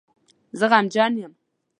زه غمجن یم